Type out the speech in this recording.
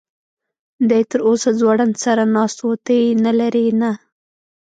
دی تراوسه ځوړند سر ناست و، ته یې نه لرې؟ نه.